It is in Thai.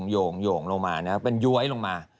โย่งลงมานะเป็นย้วยลงมา